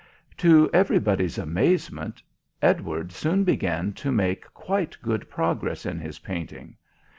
To everybody's amazement Edward soon began to make quite good progress in his painting.